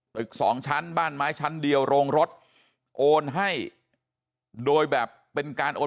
สองชั้นบ้านไม้ชั้นเดียวโรงรถโอนให้โดยแบบเป็นการโอน